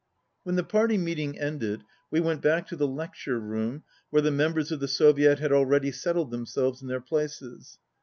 When the party meeting ended, we went back to the lecture room where the members of the Soviet had already settled themselves in their places.